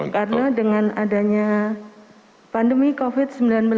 karena dengan adanya pandemi covid sembilan belas